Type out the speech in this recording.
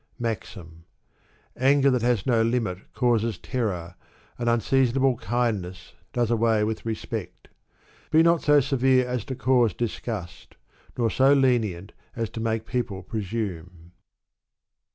MAXIM. Anger that has no limit causes terror, and unseason able kindness does away with respect. Be not so severe as to cause disgust^ nor bo lenient as to make people presume.